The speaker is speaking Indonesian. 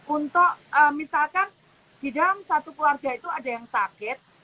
untuk misalkan di dalam satu keluarga itu ada yang sakit